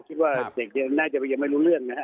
ก็คิดว่าเด็กนี้น่าจะยังไม่รู้เรื่องนะครับ